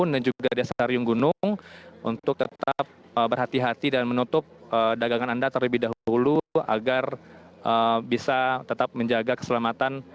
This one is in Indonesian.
dan juga di sekitar riyung gunung untuk tetap berhati hati dan menutup dagangan anda terlebih dahulu agar bisa tetap menjaga keselamatan